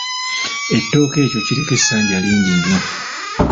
Ettooke ekyo kiriko essanja lingi nnyo.